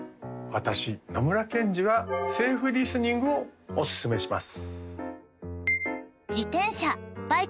私野村ケンジはセーフリスニングをおすすめします